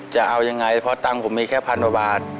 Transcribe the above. จะเอายังไงเพราะตังค์ผมมีแค่พันกว่าบาท